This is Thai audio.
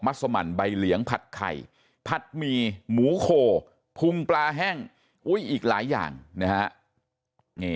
สมันใบเหลียงผัดไข่ผัดหมี่หมูโคพุงปลาแห้งอีกหลายอย่างนะฮะ